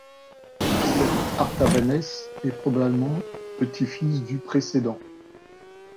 Cet Artabanès est probablement petit-fils du précédent.